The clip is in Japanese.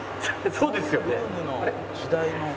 そうですよね。